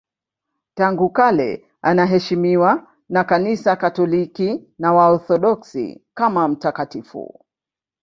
Tangu kale anaheshimiwa na Kanisa Katoliki na Waorthodoksi kama mtakatifu.